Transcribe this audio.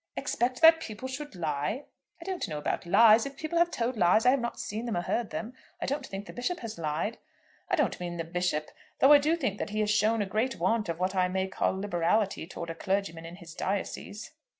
"Expect that people should lie?" "I don't know about lies. If people have told lies I have not seen them or heard them. I don't think the Bishop has lied." "I don't mean the Bishop; though I do think that he has shown a great want of what I may call liberality towards a clergyman in his diocese."